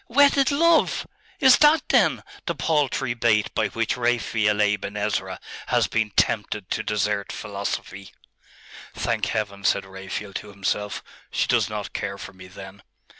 Wedded love? Is that, then, the paltry bait by which Raphael Aben Ezra has been tempted to desert philosophy?' 'Thank Heaven!' said Raphael to himself. 'She does not care for me, then!